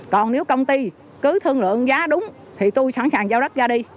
còn nếu công ty cứ thương lượng giá đúng thì tôi sẵn sàng giao đất ra đi